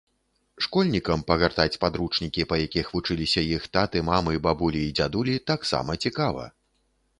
Школьнікам пагартаць падручнікі, па якіх вучыліся іх таты, мамы, бабулі і дзядулі, таксама цікава.